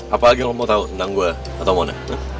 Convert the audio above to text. apa lagi lo mau tau tentang gue atau mona